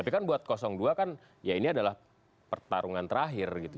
tapi kan buat dua kan ya ini adalah pertarungan terakhir gitu